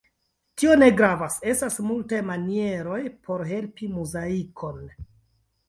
Tio ne gravas: estas multaj manieroj por helpi Muzaikon.